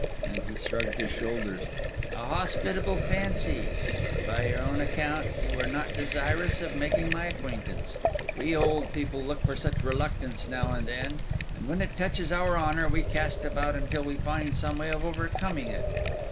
And he shrugged his shoulders. "A hospitable fancy! By your own account, you were not desirous of making my acquaintance. We old people look for such reluctance now and then; and when it touches our honour, we cast about until we find some way of overcoming it.